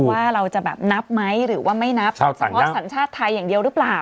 ว่าเราจะแบบนับไหมหรือว่าไม่นับชาวต่างชาติสำหรับสัญชาติไทยอย่างเดียวหรือเปล่า